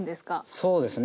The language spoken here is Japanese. そうですね。